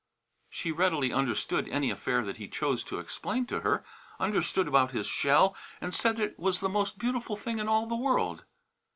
She readily understood any affair that he chose to explain to her; understood about his shell and said it was the most beautiful thing in all the world.